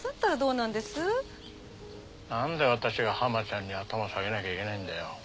なんで私がハマちゃんに頭下げなきゃいけないんだよ。